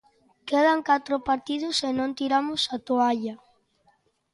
Quedan catro partidos e non tiramos a toalla.